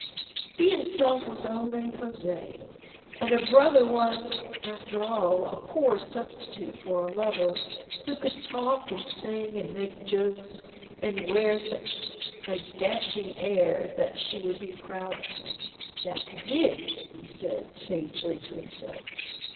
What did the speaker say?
He himself was only José, and a brother was, after all, a poor substitute for a lover who could talk and sing and make jokes, and wear such a dashing air that she would be proud of him. "That is it," he said, sagely, to himself.